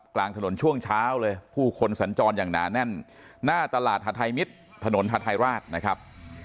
กลางถนนช่วงเช้าเลยผู้คนสัญจรอย่างหนาแน่นหน้าตลาดหาทัยมิตรถนนฮาทายราชนะครับ